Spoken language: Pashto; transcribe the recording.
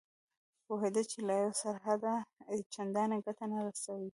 پوهېده چې له یوه سره اتحاد چندانې ګټه نه رسوي.